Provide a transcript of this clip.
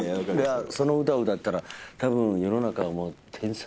その歌を歌ったらたぶん世の中は天才！